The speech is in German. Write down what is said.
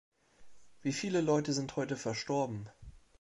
Wie viele Leute sind heute verstorben?